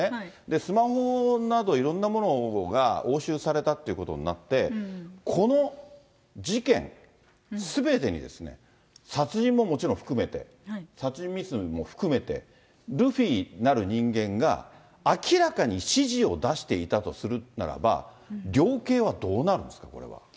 スマホなど、いろんなものが押収されたということになって、この事件すべてに殺人ももちろん含めて、殺人未遂も含めて、ルフィなる人間が明らかに指示を出していたとするならば、量刑はどうなるんですか、これは。